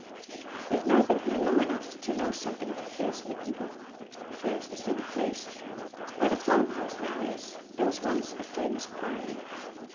We have now been here long enough to know something of the place and the people. First, as to the place: Where the farmhouse now is, there was once a famous priory.